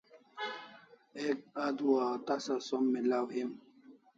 Ek adua o tasa som milaw him